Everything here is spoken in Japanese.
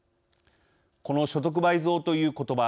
この所得倍増ということば。